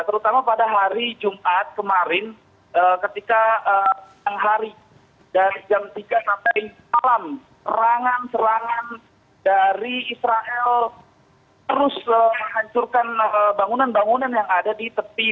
terutama pada hari jumat kemarin ketika hari dari jam tiga sampai malam serangan serangan dari israel terus menghancurkan bangunan bangunan yang ada di tepi